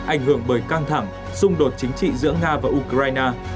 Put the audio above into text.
ảnh hưởng bởi căng thẳng xung đột chính trị giữa nga và ukraine